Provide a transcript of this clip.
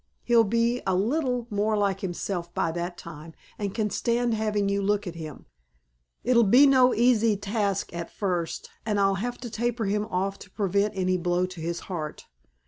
He'll be a little more like himself by that time and can stand having you look at him.... It'll be no easy task at first; and I'll have to taper him off to prevent any blow to his heart.